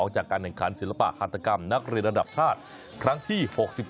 จากการแข่งขันศิลปะฮาตกรรมนักเรียนระดับชาติครั้งที่๖๒